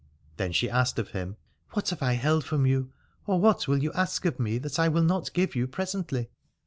Then she asked of him : What have I held from you, or what will you ask of me that I will not give you presently